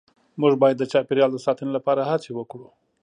مونږ باید د چاپیریال د ساتنې لپاره هڅې وکړو